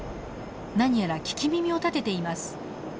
何やら聞き耳を立てています。